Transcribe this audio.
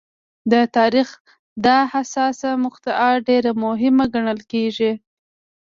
د تاریخ دا حساسه مقطعه ډېره مهمه ګڼل کېږي.